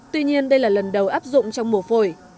tuy nhiên đây là lần đầu áp dụng trong mùa phổi